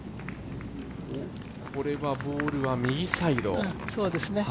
これはボールは右サイド。